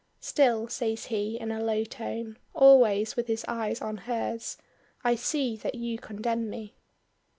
"Still," says he, in a low tone, always with his eyes on hers, "I see that you condemn me."